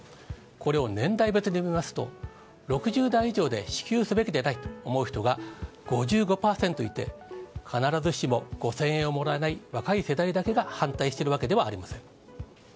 これを年代別で見ますと、６０代以上で支給すべきでないと思う人が５５％いて、必ずしも５０００円をもらえない若い世代だけが反対しているわけではありません。